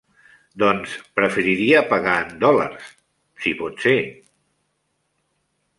Doncs preferiria pagar en dòlars, si pot ser?